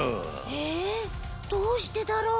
えどうしてだろう？